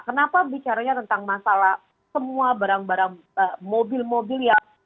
kenapa bicaranya tentang masalah semua barang barang mobil mobil yang